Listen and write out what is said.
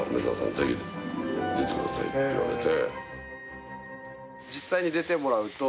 ぜひ出てください」って言われて。